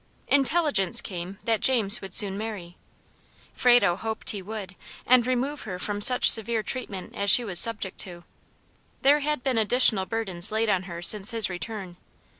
Intelligence came that James would soon marry; Frado hoped he would, and remove her from such severe treatment as she was subject to. There had been additional burdens laid on her since his return.